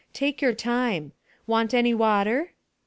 Take your time. Want any water?"